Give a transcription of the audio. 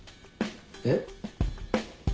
えっ？